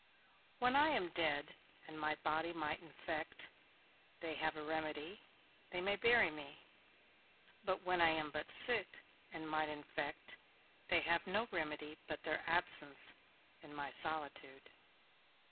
When I am dead, and my body might infect, they have a remedy, they may bury me; but when I am but sick, and might infect, they have no remedy but their absence, and my solitude.